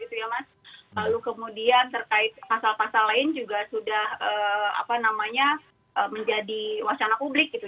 lalu kemudian terkait pasal pasal lain juga sudah menjadi wacana publik gitu